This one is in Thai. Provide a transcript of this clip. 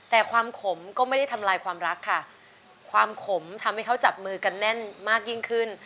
แต่ความขมก็ไม่ได้ทำลายความรักค่ะความขมทำให้เขาจับมือกันแน่นมากยิ่งขึ้น